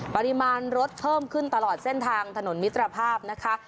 ปริมาณรถเพิ่มขึ้นตลอดเส้นทางถนนมิตรภาพนะคะ